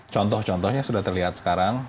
contoh contohnya sudah terlihat sekarang